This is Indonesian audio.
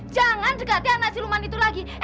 jangan dekati anak siluman itu lagi